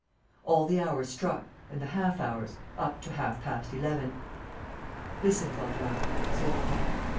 All the hours struck and the half hours, up to half past eleven. "Listen, Waldemar," said Lupin.